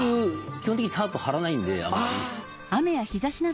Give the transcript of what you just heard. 基本的にタープ張らないんであんまり。